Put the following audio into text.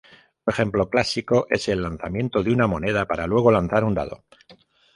Un ejemplo clásico es el lanzamiento de una moneda para luego lanzar un dado.